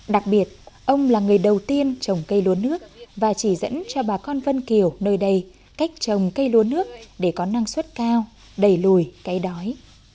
đặc biệt ông là người đầu tiên trồng cây lúa nước và chỉ dẫn cho bà con vân kiều nơi đây cách trồng cây lúa nước để có năng suất cao đẩy lùi cái đói